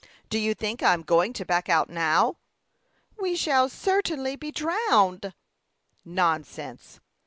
Do you think I am going to back out now?" "We shall certainly be drowned!" "Nonsense!"